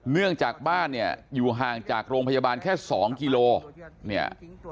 เนื่องจากบ้านเนี่ยอยู่ห่างจากโรงพยาบาลแค่๒กิโลเนี่ย